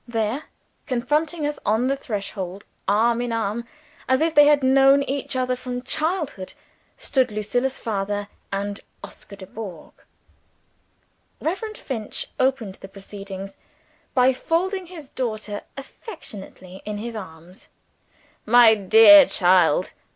There, confronting us on the threshold, arm in arm, as if they had known each other from childhood, stood Lucilla's father, and Oscar Dubourg! Reverend Finch opened the proceedings by folding his daughter affectionately in his arms. "My dear child!"